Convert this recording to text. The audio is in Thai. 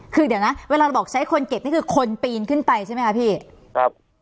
คือเดี๋ยวนะเวลาเราบอกใช้คนเก็บนี่คือคนปีนขึ้นไปใช่ไหมคะพี่ครับ